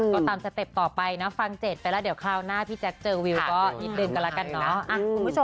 ก็ตามสเต็ปต่อไปนะฟังเจ็ดไปแล้วเดี๋ยวคราวหน้าพี่แจ๊คเจอวิวก็นิดนึงกันแล้วกันเนาะ